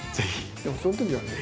でもそのときはね